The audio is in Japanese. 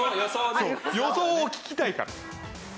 そう予想を聞きたいから。